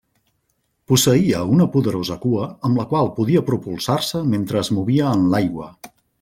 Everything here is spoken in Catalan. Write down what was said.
Posseïa una poderosa cua amb la qual podia propulsar-se mentre es movia en l'aigua.